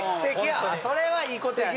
それはいいことやね